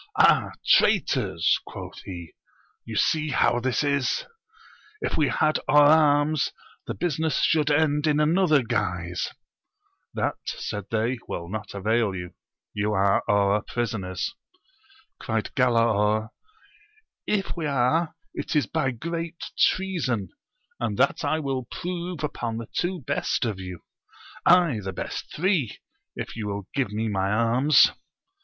Ah, traitors ! quoth he, you see how this is ! if we had our arms the business should end in another guise ! That, said they, will not avail you : you are our prisoners ! Cried Galaor, If we are it is by great treason, and that I will prove upon the two best of you ; aye, the best three, if you will give me my arms